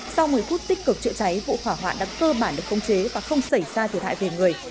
sau một mươi phút tích cực trị cháy vụ khỏa hoạn đã cơ bản được phong chế và không xảy ra thiệt hại về người